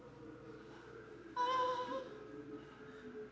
ああ。